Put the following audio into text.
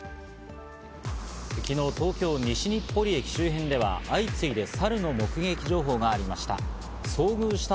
昨日、東京・西日暮里駅周辺では相次いでサルの目撃情報がありました。